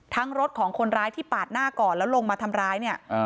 รถของคนร้ายที่ปาดหน้าก่อนแล้วลงมาทำร้ายเนี่ย